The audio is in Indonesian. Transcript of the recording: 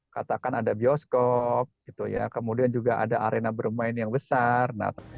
katakan ada bioskop kemudian juga ada arena bermain yang besar